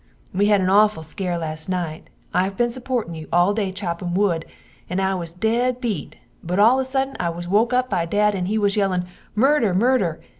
We had an auful scare last nite I had been suportin you all day by choppin wood and I was dead beet but all of a suddin I was woke up by dad and he was yellin Murder! Murder!